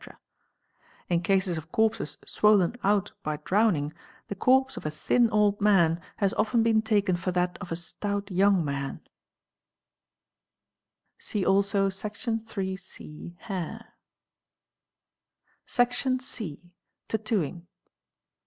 2, In cases of corpses swollen out by drowning, the corpse of a thin old man has often been taken for that of a stout young man, (see also Sec. ii (c), * Hawr ag C. Tattooing.